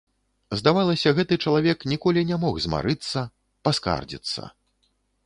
Здавалася, гэты чалавек ніколі не мог змарыцца, паскардзіцца.